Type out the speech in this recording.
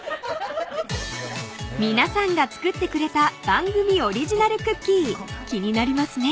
［皆さんが作ってくれた番組オリジナルクッキー気になりますね］